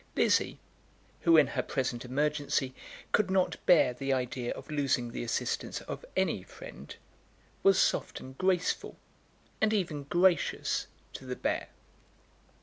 Lizzie, who in her present emergency could not bear the idea of losing the assistance of any friend, was soft and graceful, and even gracious, to the bear.